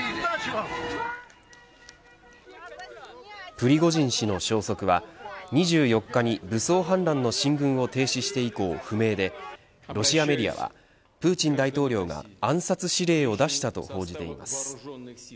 プリゴジン氏の消息は２４日に武装反乱の進軍を停止して以降不明でロシアメディアはプーチン大統領が暗殺指令を出したと報じています。